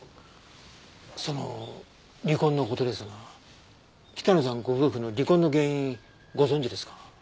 その離婚の事ですが北野さんご夫婦の離婚の原因ご存じですか？